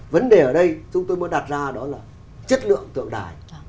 vấn đề ở đây chúng tôi muốn đặt ra đó là chất lượng tượng đài